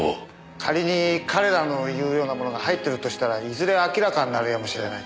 仮に彼らの言うようなものが入ってるとしたらいずれ明らかになるやもしれない。